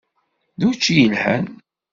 D učči yelhan.